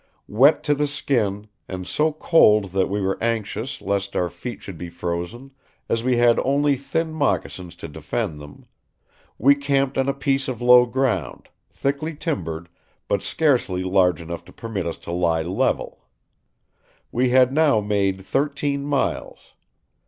Wet to the skin, and so cold that we were anxious lest our feet should be frozen, as we had only thin moccasins to defend them.... We camped on a piece of low ground, thickly timbered, but scarcely large enough to permit us to lie level. We had now made thirteen miles.